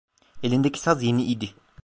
Elindeki saz yeni idi.